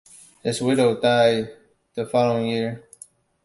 His widow died the following year.